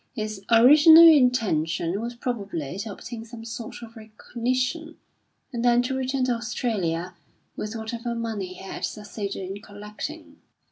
His original intention was probably to obtain some sort of recognition, and then to return to Australia with whatever money he had succeeded in collecting.